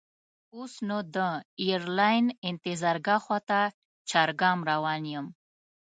اوس نو د ایرلاین انتظارګاه خواته چارګام روان یم.